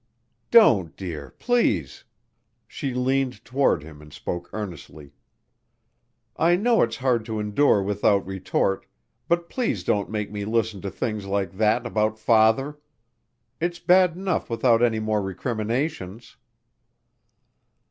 "Don't, dear please!" She leaned toward him and spoke earnestly. "I know it's hard to endure without retort, but please don't make me listen to things like that about Father. It's bad enough without any more recriminations."